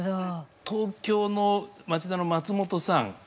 東京の町田の松本さん